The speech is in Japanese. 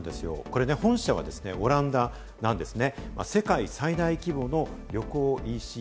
本社はオランダなんですね。